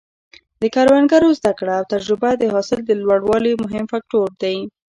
د کروندګرو زده کړه او تجربه د حاصل د لوړوالي مهم فکتور دی.